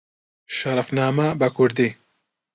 شەرەفنامە بە کوردی